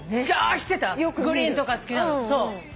グリーンとか好きなの。